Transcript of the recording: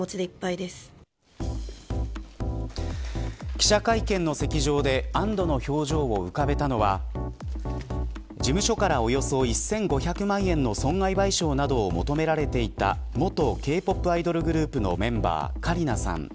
記者会見の席上で安堵の表情を浮かべたのは事務所からおよそ１５００万円の損害賠償などを求められていた元Ｋ−ＰＯＰアイドルグループのメンバー、カリナさん。